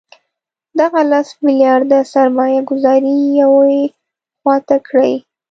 دغه لس میلیارده سرمایه ګوزاري یوې خوا ته کړئ.